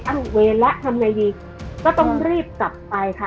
อุเวรและทำไงดีก็ต้องรีบกลับไปค่ะ